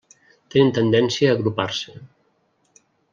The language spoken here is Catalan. Tenen tendència a agrupar-se.